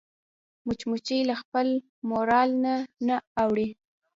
مچمچۍ له خپل مورال نه نه اوړي